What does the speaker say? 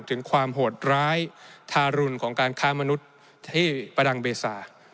ถึงความโหดร้ายทารุณของการค้ามนุษย์ที่ประดังเบซา